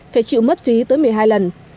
phải chịu mất phí tới một mươi hai lần